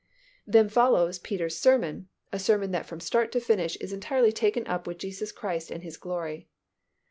Then follows Peter's sermon, a sermon that from start to finish is entirely taken up with Jesus Christ and His glory.